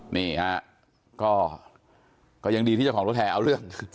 นี่ฮะก็ยังดีที่เจ้าของรถแห่เอาเรื่อง